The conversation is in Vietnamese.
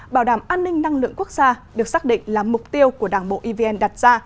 bảo đảm an ninh năng lượng quốc gia được xác định là mục tiêu của đảng bộ evn đặt ra